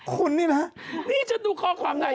คุณนี่นะนี่ฉันดูข้อความใด